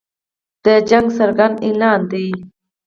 د جنګ څرګند اعلان دی.